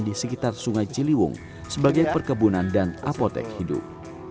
di sekitar sungai ciliwung sebagai perkebunan dan apotek hidup